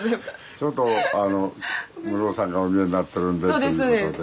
ちょっとあのムロさんがお見えになってるんでっていうことで。